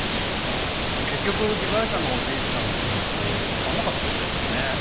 結局被害者のおじいちゃんの秘密わかんなかったみたいだね。